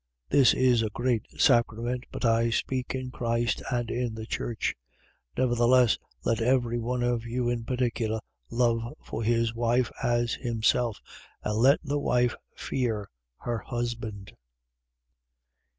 5:32. This is a great sacrament: but I speak in Christ and in the church. 5:33. Nevertheless, let every one of you in particular love for his wife as himself: And let the wife fear her husband.